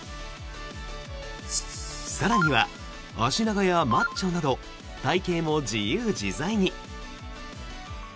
更には足長やマッチョなど体形も自由自在に。